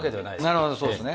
なるほどそうですね。